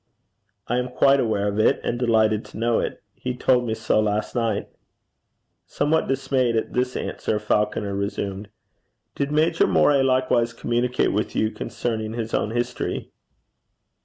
'I am quite aware of it, and delighted to know it. He told me so last night.' Somewhat dismayed at this answer, Falconer resumed, 'Did Major Moray likewise communicate with you concerning his own history?'